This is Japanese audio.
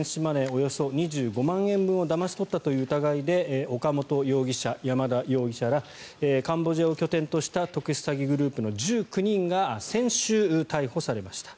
およそ２５万円分をだまし取ったという疑いで岡本容疑者、山田容疑者らカンボジアを拠点とした特殊詐欺グループの１９人が先週、逮捕されました。